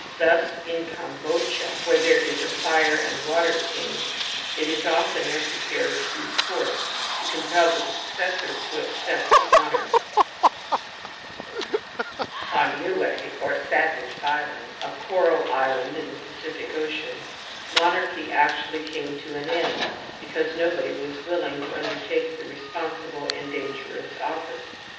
Thus in Combodscha, where there is a fire and water king, it is often necessary to use force to compel the successor to accept the *^ Fxaser, 2.0., p. 13. ^Erazer, 2.c., p. 11. 80 TOTEM AND TABOO honour. On Nine or Savage Island, a coral island in the Pacific Ocean, monarchy actually came to an end because nobody was willing to undertake the responsible and dangerous office.